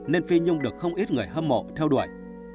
nên phi nhung được không ít người hâm mộ theo đuổi